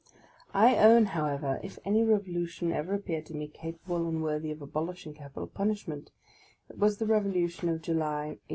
I own, 26 PREFACE OF * however, if any revolution ever appeared to me capable and worthy of abolishing capital punishment, it was the Revolu tion of July, 1830.